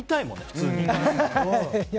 普通に。